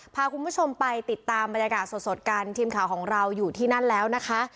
พาคุณผู้ชมไปติดตามบรรยากาศสดกันทีมข่าวของเราอยู่ที่นั่นแล้วนะคะ